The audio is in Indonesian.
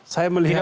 saya melihat itu